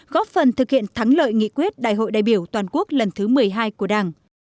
góp phần thực hiện thắng lợi nghị quyết đại hội đại biểu toàn quốc lần thứ một mươi hai của đảng